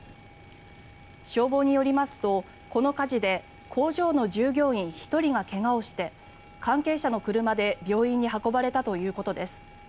消防によりますと、この火事で工場の従業員１人が怪我をして関係者の車で病院に運ばれたということです。